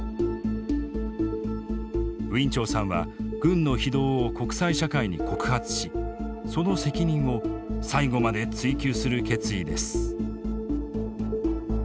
ウィン・チョウさんは軍の非道を国際社会に告発しその責任を最後まで追及する決意です。